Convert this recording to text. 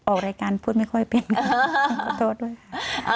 ออกรายการพูดไม่ค่อยเป็นโทษด้วยค่ะ